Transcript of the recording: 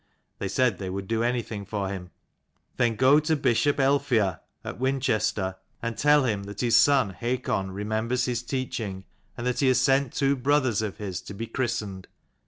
They said they would do anything for him. "Then go to Bishop Aelfheah at Winchester; and tell him that his son Hakon remembers his teaching, and that he has sent two brothers of his to be christened.